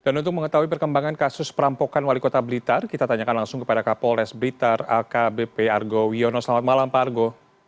dan untuk mengetahui perkembangan kasus perampokan wali kota blitar kita tanyakan langsung kepada kapolres blitar akbp argo wiono selamat malam pak argo